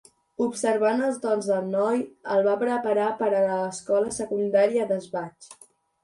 Observant els dons del noi, el va preparar per a l'escola secundària d'Ansbach.